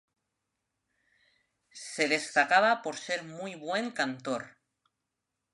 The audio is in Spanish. Se destacaba por ser muy buen cantor.